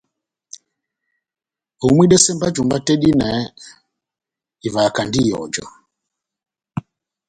Homwidɛsɛ mba jumba tɛ́h dihinɛ ivahakandi ihɔjɔ.